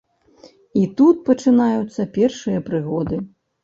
І тут пачынаюцца першыя прыгоды.